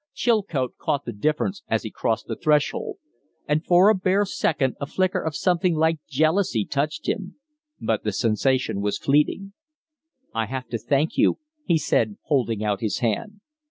Chilcote caught the difference as he crossed the threshold, and for a bare second a flicker of something like jealousy touched him. But the sensation was fleeting. "I have to thank you!" he said, holding out his hand.